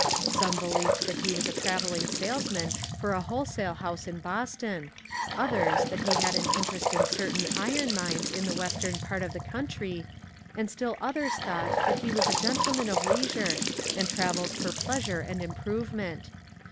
Some believed that he was a travelling salesman for a wholesale house in Boston, others that he had an interest in certain iron mines in the western part of the country, and still others thought that he was a gen tleman of leisure, and travelled for pleasure and improvement.